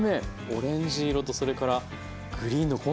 オレンジ色とそれからグリーンのコントラスト